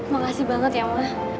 makasih banget ya ma